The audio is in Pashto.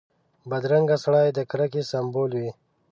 بدرنګه سړی د کرکې سمبول وي